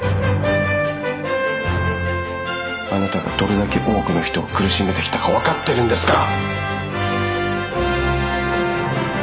あなたがどれだけ多くの人を苦しめてきたか分かってるんですか？